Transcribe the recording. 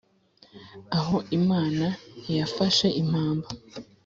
aho imana ntiyafashe impamba